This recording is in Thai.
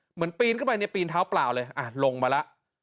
เหมือนปีนเข้าไปเนี่ยปีนเท้าเปล่าเลยอ่ะลงมาล่ะ